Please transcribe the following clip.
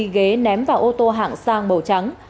kế ném vào ô tô hạng sang màu trắng